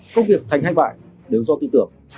công việc thành hay bại đều do tư tưởng